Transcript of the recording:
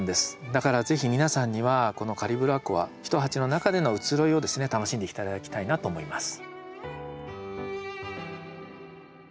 だから是非皆さんにはこのカリブラコア１鉢の中での移ろいをですね楽しんで頂きたいなと思います。